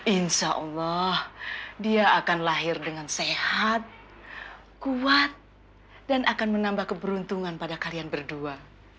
insya allah dia akan lahir dengan sehat kuat dan akan menambah keberuntungan pada kalian berdua